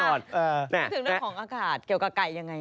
พูดถึงเรื่องของอากาศเกี่ยวกับไก่ยังไง